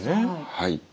はい。